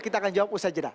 kita akan jawab usaha jenah